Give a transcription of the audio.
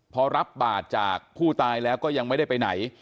พอรับบาทจากผู้ตายแล้วก็ยังไม่ได้ไปไหน